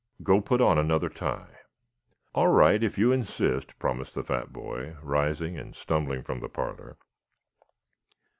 Go put on another tie." "All right, if you insist," promised the fat boy, rising and stumbling from the parlor.